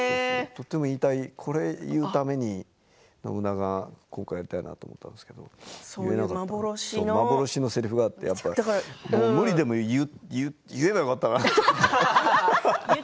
とても言いたいこれを言うために信長を今回やりたいなと思ったんですけど言えなかったので幻のせりふがあって無理でも言えばよかったなって。